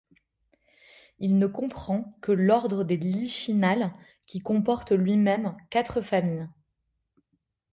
Il ne comprend que l'ordre des Lichinales qui comporte lui-même quatre familles.